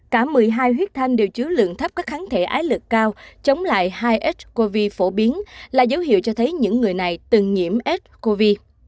cả một mươi hai huyết thanh đều chứa lượng thấp các kháng thể ái lực cao chống lại hai s cov biến là dấu hiệu cho thấy những người này từng nhiễm ncov